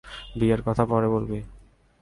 বিয়ের কথা পরে বলবি।